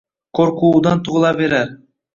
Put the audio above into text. Qoʻrquvidan tugʻilaverar.